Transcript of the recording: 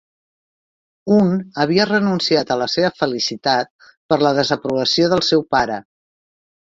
Un havia renunciat a la seva felicitat per la desaprovació del seu pare.